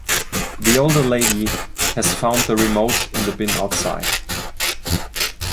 The older lady has found the remote in the bin outside.